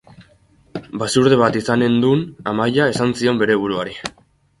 Basurde bat izanen dun, Amaia, esan zion bere buruari.